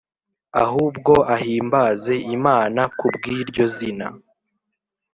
ahubwo ahimbaze Imana kubw'iryo zina.